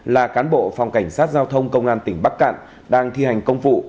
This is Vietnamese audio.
là cán bộ phòng cảnh sát giao thông công an tỉnh bắc cạn đang thi hành công vụ